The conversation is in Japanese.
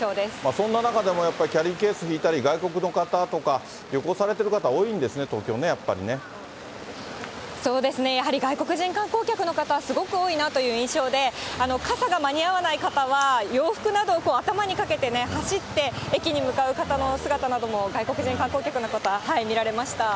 そんな中でもやっぱり、キャリーケース引いたり、外国の方とか、旅行されてる方、多いんですね、東京ね、そうですね、やはり、外国人観光客の方、すごく多いなという印象で、傘が間に合わない方は、洋服などを頭にかけて、走って駅に向かう方の姿なんかも、外国人観光客の方、見られました。